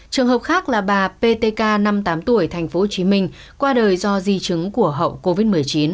trường hợp khác là bà ptk năm mươi tám tuổi tp hcm qua đời do di chứng của hậu covid một mươi chín